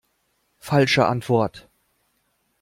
Falsche Antwort.